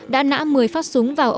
đã nã một mươi phát số